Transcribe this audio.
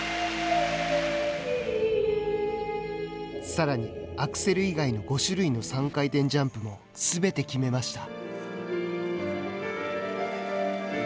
さらに、アクセル以外の５種類の３回転ジャンプもすべて決めました。